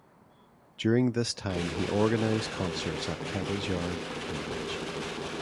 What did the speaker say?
During this time he organised concerts at Kettle's Yard, Cambridge.